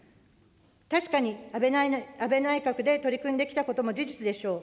確かに、安倍内閣で取り組んできたことも事実でしょう。